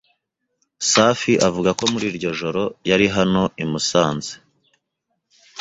Safi avuga ko muri iryo joro yari hano i Musanze.